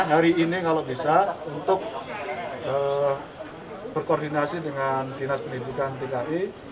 hari ini kalau bisa untuk berkoordinasi dengan dinas pendidikan dki